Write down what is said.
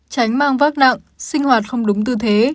tránh mang vác nặng sinh hoạt không đúng tư thế